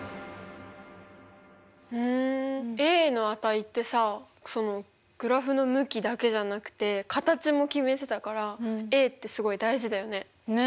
の値ってさグラフの向きだけじゃなくて形も決めてたからってすごい大事だよね。